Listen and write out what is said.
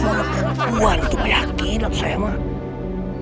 suara perempuan itu meyakini sayang